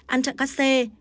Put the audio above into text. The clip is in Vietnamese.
ăn chặn các xe